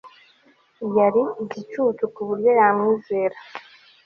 Yari igicucu kuburyo yamwizera